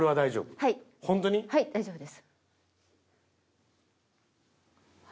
［はい大丈夫です］